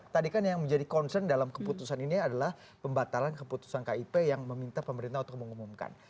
tadi kan yang menjadi concern dalam keputusan ini adalah pembatalan keputusan kip yang meminta pemerintah untuk mengumumkan